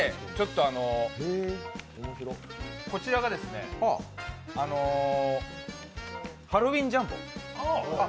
こちらがハロウィンジャンボ。